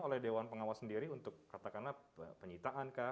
oleh dewan pengawas sendiri untuk katakanlah penyitaan kah